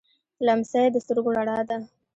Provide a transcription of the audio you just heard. لمسی د سترګو رڼا ده.